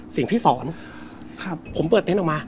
เสียงพี่สอนผมเปิดเต็นต์ออกมา